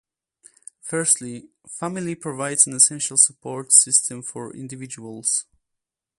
Firstly, family provides an essential support system for individuals.